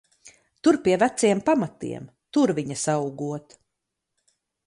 Tur pie veciem pamatiem, tur viņas augot.